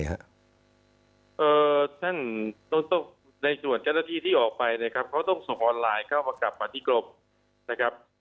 ในส่วนการณ์ที่ที่ออกไปเนี่ยครับเขาต้องส่งออนไลน์เข้ากลับมาที่กรมนะครับ